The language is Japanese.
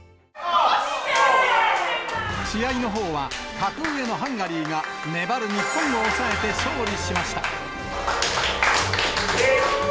試合のほうは、格上のハンガリーが粘る日本を抑えて勝利しました。